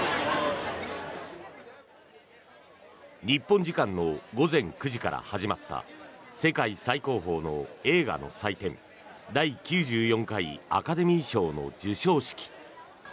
日本時間の午前９時から始まった世界最高峰の映画の祭典第９４回アカデミー賞の授賞式。